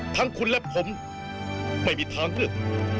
ทั้งคุณและผมไม่มีทางเลือก